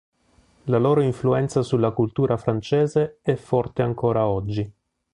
La loro influenza sulla cultura francese è forte ancora oggi.